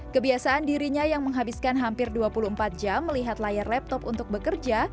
kebiasaan dirinya yang menghabiskan hampir dua puluh empat jam melihat layar laptop untuk bekerja